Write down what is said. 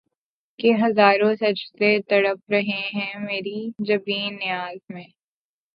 کہ ہزاروں سجدے تڑپ رہے ہیں مری جبین نیاز میں